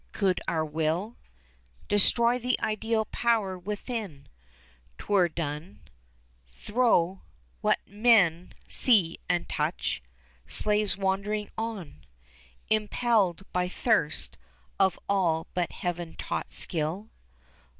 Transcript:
Could our Will 5 Destroy the ideal Power within, 'twere done Thro' what men see and touch, slaves wandering on, Impelled by thirst of all but Heaven taught skill.